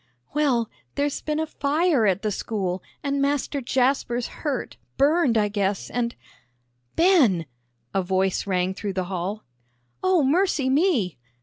"Well, there's been a fire at the school, and Master Jasper's hurt, burned, I guess, and " "Ben!" a voice rang through the hall. "O mercy me!"